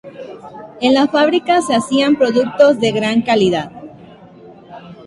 En la fábrica se hacían productos de gran calidad.